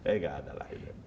enggak ada lah